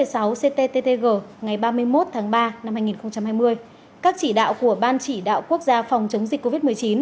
số một mươi sáu ctttg ngày ba mươi một tháng ba năm hai nghìn hai mươi các chỉ đạo của ban chỉ đạo quốc gia phòng chống dịch covid một mươi chín